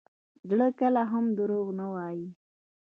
زړه کله هم دروغ نه وایي.